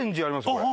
これ。